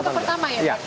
ini pertama ya